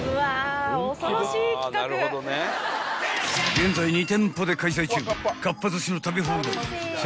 ［現在２店舗で開催中］